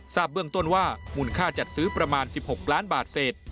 ทราบเบื้องต้นว่ามูลค่าจัดซื้อประมาณ๑๖ล้านบาทเศษ